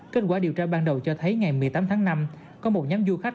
kết quả điều tra ban đầu cho thấy ngày một mươi tám tháng năm có một nhóm du khách